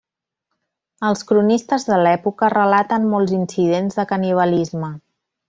Els cronistes de l'època relaten molts incidents de canibalisme.